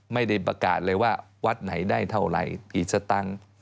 ไม่ได้ประกาศเลยว่าวัดไหนได้เท่าไหร่กี่สตังค์